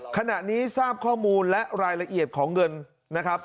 ขณะนี้ทราบข้อมูลและรายละเอียดของเงินนะครับ